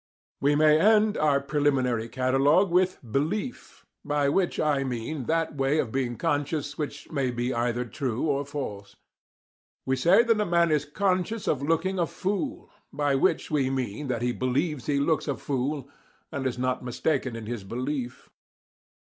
We may end our preliminary catalogue with BELIEF, by which I mean that way of being conscious which may be either true or false. We say that a man is "conscious of looking a fool," by which we mean that he believes he looks a fool, and is not mistaken in this belief.